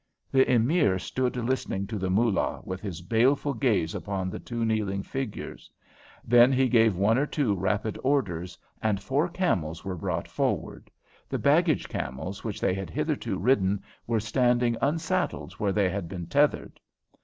The Emir stood listening to the Moolah, with his baleful gaze upon the two kneeling figures. Then he gave one or two rapid orders, and four camels were brought forward. The baggage camels which they had hitherto ridden were standing unsaddled where they had been tethered.